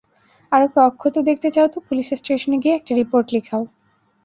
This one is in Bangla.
আর ওকে অক্ষত দেখতে চাও তো, পুলিশ স্টেশনে গিয়ে একটা রিপোর্ট লিখাও।